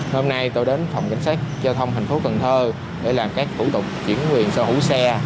hôm nay tôi đến phòng cảnh sát giao thông tp cn để làm các thủ tục chuyển quyền sở hữu xe